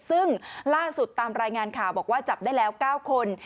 ซึ่งล่าสุดตามรายงานข่าวบอกว่าจับได้แล้ว๙คน